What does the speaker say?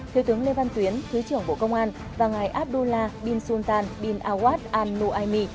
thiếu tướng lê văn tuyến thứ trưởng bộ công an và ngài abdullah bin sultan bin awad al nuaymi